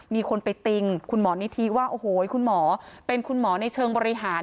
มีคนไปติงคุณหมอนิธิว่าโอ้โหคุณหมอเป็นคุณหมอในเชิงบริหาร